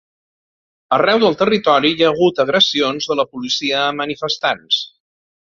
Arreu del territori hi ha hagut agressions de la policia a manifestants.